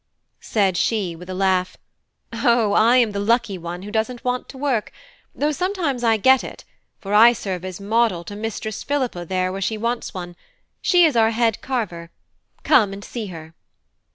Said she, with a laugh: "O, I am the lucky one who doesn't want to work; though sometimes I get it, for I serve as model to Mistress Philippa there when she wants one: she is our head carver; come and see her."